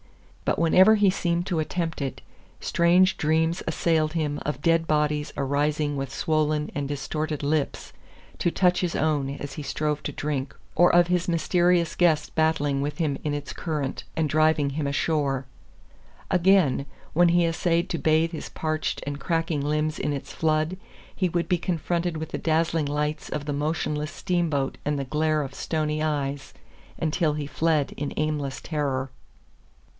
But whenever he seemed to attempt it, strange dreams assailed him of dead bodies arising with swollen and distorted lips to touch his own as he strove to drink, or of his mysterious guest battling with him in its current, and driving him ashore. Again, when he essayed to bathe his parched and crackling limbs in its flood, he would be confronted with the dazzling lights of the motionless steamboat and the glare of stony eyes until he fled in aimless terror.